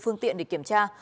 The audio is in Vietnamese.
phương tiện để kiểm tra